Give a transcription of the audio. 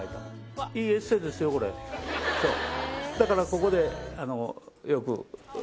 だからここでよく。